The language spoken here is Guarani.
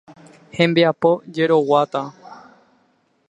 Hembiapo jeroguata.